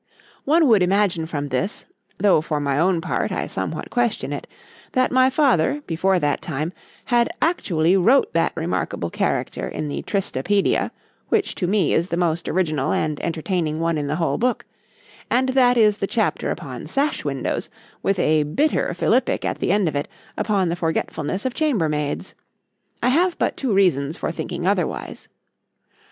One would imagine from this——(though for my own part I somewhat question it)—that my father, before that time, had actually wrote that remarkable character in the Tristra pædia, which to me is the most original and entertaining one in the whole book;—and that is the chapter upon sash windows, with a bitter Philippick at the end of it, upon the forgetfulness of chamber maids.—I have but two reasons for thinking otherwise.